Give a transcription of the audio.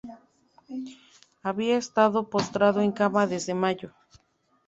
Había estado postrado en cama desde mayo.